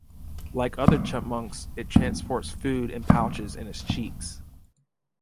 Like other chipmunks, it transports food in pouches in its cheeks.